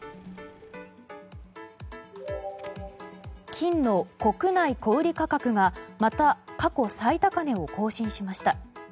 金の国内小売価格がまた過去最高値を更新しました。